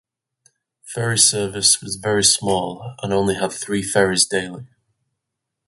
Ferry service was very small and only had three Ferries daily.